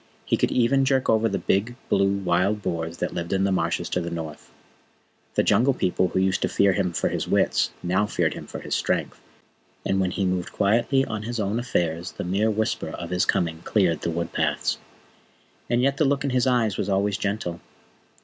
He could even jerk over the big, blue wild boars that lived in the Marshes of the North. The Jungle People who used to fear him for his wits feared him now for his strength, and when he moved quietly on his own affairs the mere whisper of his coming cleared the wood paths. And yet the look in his eyes was always gentle.